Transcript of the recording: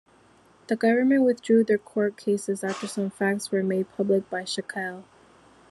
The government withdrew their court cases after some facts were made public by Shakil.